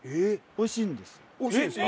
おいしいんです。